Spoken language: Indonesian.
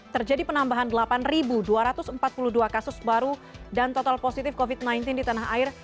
terjadi penambahan delapan dua ratus empat puluh dua kasus baru dan total positif covid sembilan belas di tanah air